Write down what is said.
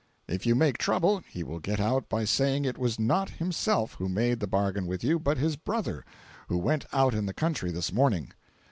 If you make trouble, he will get out by saying it was not himself who made the bargain with you, but his brother, "who went out in the country this morning."